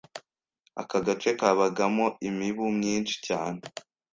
Aka gace kabagamo imibu myinshi cyane